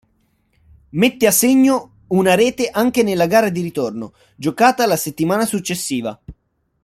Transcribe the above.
Mette a segno una rete anche nella gara di ritorno, giocata la settimana successiva.